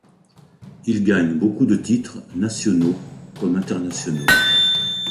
Il gagne beaucoup de titre, nationaux, comme internationaux.